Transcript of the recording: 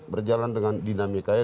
berjalan dengan dinamikanya